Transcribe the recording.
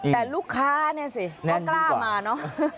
แต่ลูกค้าเนี่ยสิก็กล้ามาเนอะ